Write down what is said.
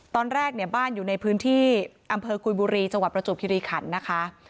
ตอนแรกเนี่ยบ้านอยู่ในพื้นที่อำเภอกุยบุรีจังหวัดประจวบคิริขันนะคะ